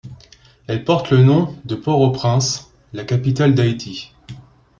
Elle porte le nom de Port-au-Prince, la capitale d'Haïti.